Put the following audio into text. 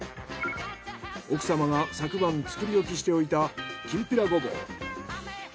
奥様が昨晩作り置きしておいたきんぴらゴボウ。